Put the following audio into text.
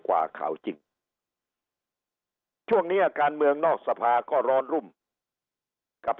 กว่าข่าวจริงช่วงนี้การเมืองนอกสภาก็ร้อนรุ่มกับ